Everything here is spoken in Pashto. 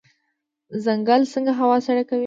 ځنګل څنګه هوا سړه کوي؟